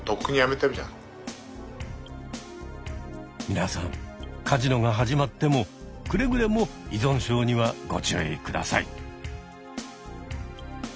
皆さんカジノが始まってもくれぐれも依存症にはご注意ください。